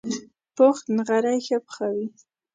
پوخ نغری ښه پخوي